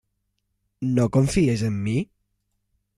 No confies en mi?